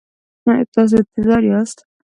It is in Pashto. تاسو انتظار یاست؟